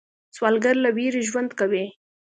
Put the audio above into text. سوالګر له ویرې ژوند کوي